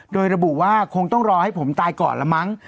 โดยระบุว่าคงต้องรอให้ผมตายก่อนละมั้ง